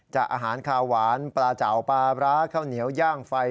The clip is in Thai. อาหารคาวหวานปลาเจ้าปลาร้าข้าวเหนียวย่างไฟ